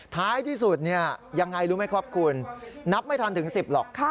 ท้ายที่สุดเนี่ยยังไงรู้ไหมครับคุณนับไม่ทันถึง๑๐หรอก